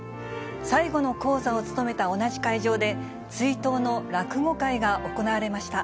最後の高座を務めた同じ会場で、追悼の落語会が行われました。